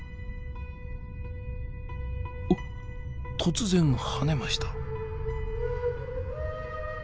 あっ突然跳ねました。